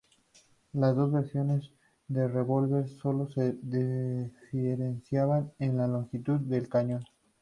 Las dos versiones del revólver sólo se diferenciaban en la longitud del cañón.